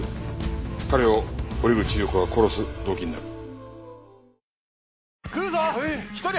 彼を堀口裕子が殺す動機になる。